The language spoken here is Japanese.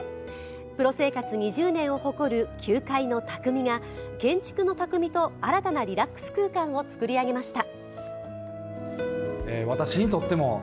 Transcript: プロ生活２０年を誇る球界の巧が建築の匠と新たなリラックス空間を作り上げました。